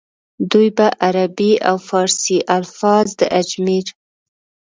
دوي به عربي او فارسي الفاظ د اجمېر